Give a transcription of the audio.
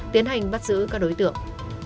tiến hành bắt giữ các đối tượng